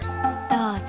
どうぞ。